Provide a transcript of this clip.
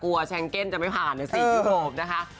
กลัวแชงเก้นจะไม่ผ่านในสิทธิ์ยุโรปนะคะ